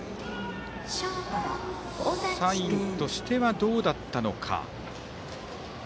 サインとしてはどうだったのか。